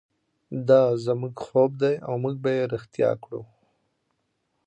دا زموږ خوب دی او موږ به یې ریښتیا کړو.